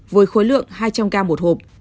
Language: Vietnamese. với khối lượng hai trăm linh gram một hộp